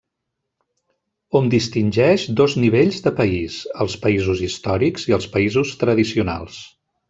Hom distingeix dos nivells de país: els països històrics i els països tradicionals.